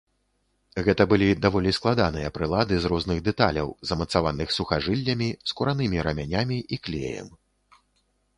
Гэта былі даволі складаныя прылады з розных дэталяў, змацаваных сухажыллямі, скуранымі рамянямі і клеем.